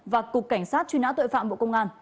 và cục cảnh sát truy nã tội phạm bộ công an